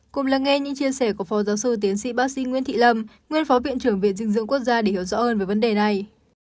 cùng lắng nghe những chia sẻ của phó giáo sư tiến sĩ bác sĩ nguyễn thị lâm nguyên phó viện trưởng viện dinh dưỡng quốc gia để hiểu rõ hơn về vấn đề này